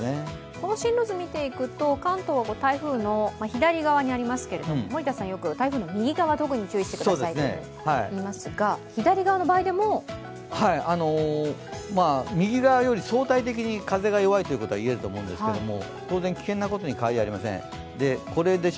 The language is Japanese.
この進路図、見ていくと、関東は台風の左側にありますけど森田さんはよく台風の右側は注意してくださいと言いますが、左側の場合でも右側より相対的に風が弱いと言えると思いますが、危険なことには変わりません。